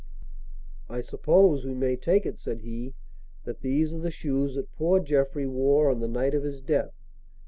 "I suppose we may take it," said he, "that these are the shoes that poor Jeffrey wore on the night of his death.